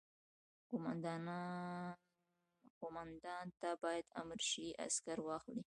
قوماندان ته باید امر شي عسکر واخلي.